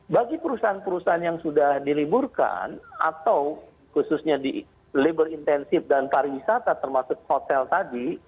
bagi perusahaan perusahaan yang sudah diliburkan atau khususnya di labor intensif dan pariwisata termasuk hotel tadi